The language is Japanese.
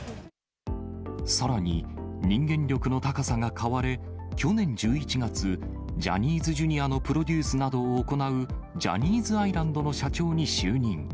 さらに、人間力の高さが買われ、去年１１月、ジャニーズＪｒ．のプロデュースなどを行う、ジャニーズアイランドの社長に就任。